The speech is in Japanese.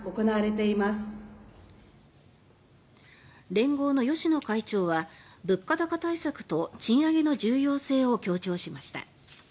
連合の吉野会長は物価高対策と賃上げの重要性を強調しました。